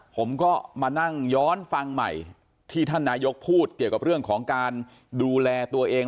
ผมก็มานั่งย้อนฟังใหม่ที่ท่านนายกพูดเกี่ยวกับเรื่องของการดูแลตัวเอง